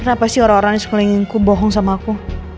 kenapa sih orang orang di sekelilingku bohong sama aku